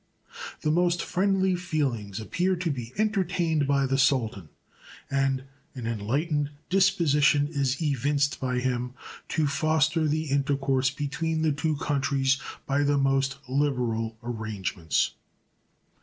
The most friendly feelings appear to be entertained by the Sultan, and an enlightened disposition is evinced by him to foster the intercourse between the two countries by the most liberal arrangements.